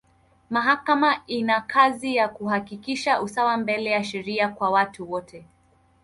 Mahakama ina kazi ya kuhakikisha usawa mbele ya sheria kwa watu wote.